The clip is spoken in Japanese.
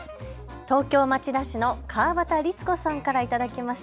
東京町田市の川端律子さんから頂きました。